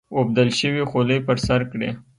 اوبدل شوې خولۍ پر سر کړي.